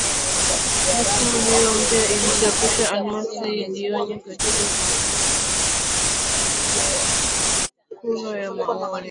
Rasimu hiyo mpya ilichapishwa Alhamis jioni katika jarida rasmi, mwezi mmoja kabla ya kura ya maoni